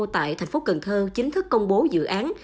tại thành phố cần thơ chính thức công bố dự án